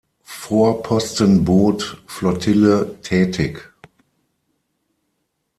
Vorpostenboot-Flottille tätig.